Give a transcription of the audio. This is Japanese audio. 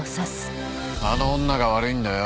あの女が悪いんだよ。